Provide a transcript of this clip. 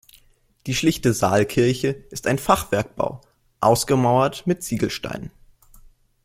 Die schlichte Saalkirche ist ein Fachwerkbau, ausgemauert mit Ziegelsteinen.